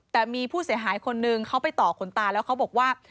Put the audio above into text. แต่มีผู้เสียหายคนนึงเขาไปต่อขนตาแล้วเขาบอกว่า